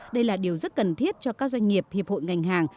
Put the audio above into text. đây là điều rất cần thiết cho các doanh nghiệp hiệp hội ngành hàng